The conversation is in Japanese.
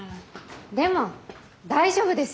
でも大丈夫ですよ。